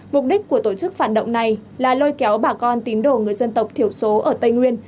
mục đích của tổ chức phản động này là lôi kéo bà con tín đồ người dân tộc thiểu số ở tây nguyên